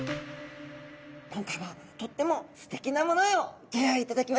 今回はとってもすてきなものをギョ用意いただきましたよ！